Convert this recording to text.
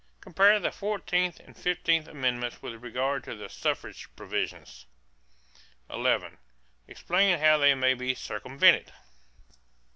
Compare the fourteenth and fifteenth amendments with regard to the suffrage provisions. 11. Explain how they may be circumvented.